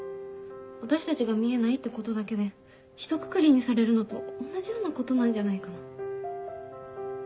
私たちが見えないってことだけでひとくくりにされるのと同じようなことなんじゃないかな？